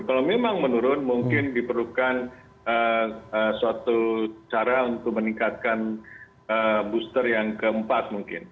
kalau memang menurun mungkin diperlukan suatu cara untuk meningkatkan booster yang keempat mungkin